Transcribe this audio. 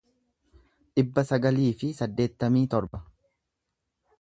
dhibba sagalii fi saddeettamii torba